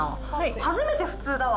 初めて普通だわ。